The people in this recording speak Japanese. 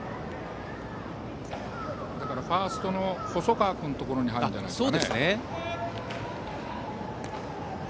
ファーストの細川君のところに入るんじゃないですかね。